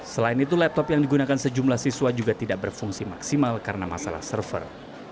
selain itu laptop yang digunakan sejumlah siswa juga tidak berfungsi maksimal karena masalah server